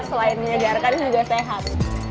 selain menyegarkan ini juga sehat